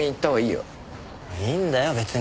いいんだよ別に。